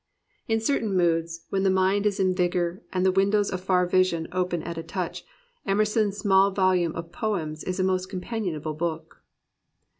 In certain moods, when the mind is in vigour and the windows of far vision open at a touch, Emerson's small volume of Poems is a most com panionable book.